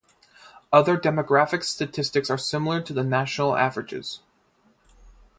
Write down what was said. Other demographic statistics are similar to the national averages.